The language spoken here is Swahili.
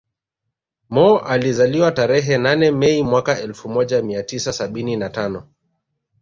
Mo alizaliwa tarehe nane Mei mwaka elfu moja mia tisa sabini na tano